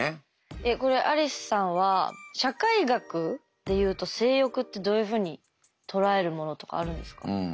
えっこれアリスさんは社会学でいうと性欲ってどういうふうに捉えるものとかあるんですか？